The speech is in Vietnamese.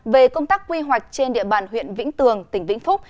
về công tác quy hoạch trên địa bàn huyện vĩnh tường tỉnh vĩnh phúc